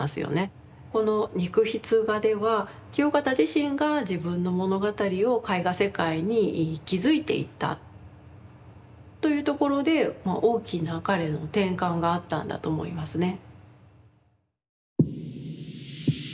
この肉筆画では清方自身が自分の物語を絵画世界に築いていったというところで大きな彼の転換があったんだと思いますね。